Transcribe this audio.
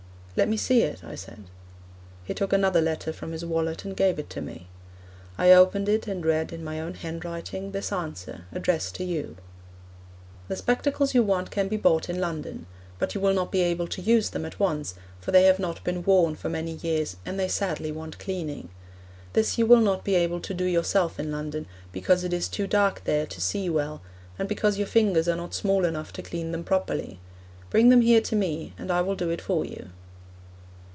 'Let me see it,' I said. He took another letter from his wallet, and gave it to me. I opened it, and read, in my own handwriting, this answer, addressed to you: 'The spectacles you want can be bought in London; but you will not be able to use them at once, for they have not been worn for many years, and they sadly want cleaning. This you will not be able to do yourself in London, because it is too dark there to see well, and because your fingers are not small enough to clean them properly. Bring them here to me, and I will do it for you.'